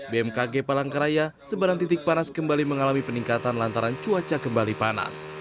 bmkg palangkaraya sebaran titik panas kembali mengalami peningkatan lantaran cuaca kembali panas